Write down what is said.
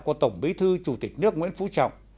của tổng bí thư chủ tịch nước nguyễn phú trọng